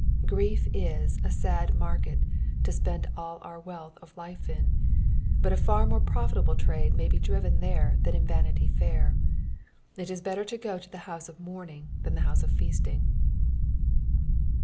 Orief is a sad market to spend all our wealth of life in, but & far more profitable trade may be driven there than in Vanity Fair ; it is better to go to the house of mourning than the house of feasting.